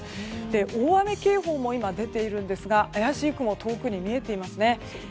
大雨警報も出ているんですが怪しい雲が遠くに見えていますね。